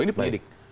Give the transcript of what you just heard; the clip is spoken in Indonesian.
oh ini pelidik